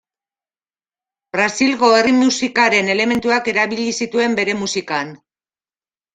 Brasilgo herri-musikaren elementuak erabili zituen bere musikan.